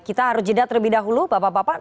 kita harus jeda terlebih dahulu bapak bapak